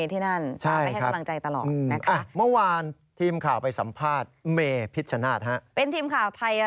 แต่เราก็เห็นตลอดว่า